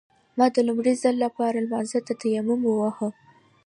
ما د لومړي ځل لپاره لمانځه ته تيمم وواهه.